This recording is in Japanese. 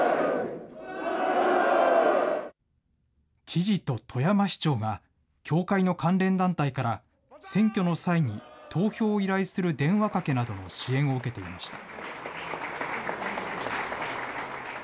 知事と富山市長が、教会の関連団体から選挙の際に投票を依頼する電話かけなどの支援を受けていました。